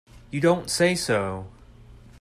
You don't say so!